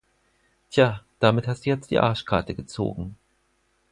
Tja, damit hast du jetzt die Arschkarte gezogen.